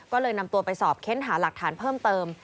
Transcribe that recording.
ก็เลยนำตัวไปสอบเค้นหาหลักฐานเพิ่มเติม